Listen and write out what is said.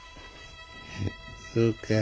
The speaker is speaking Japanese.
そうか。